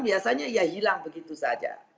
biasanya ya hilang begitu saja